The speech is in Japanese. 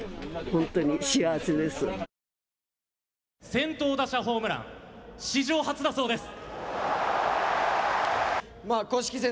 先頭打者ホームラン、史上初だそうです。